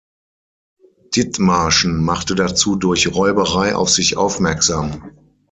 Dithmarschen machte dazu durch Räuberei auf sich aufmerksam.